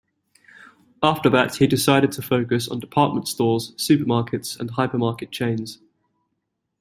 After that he decided to focus on department stores, supermarkets and hypermarket chains.